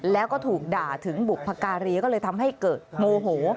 แล้วก็ถูกด่าถึงบุพการีก็เลยทำให้เกิดโมโห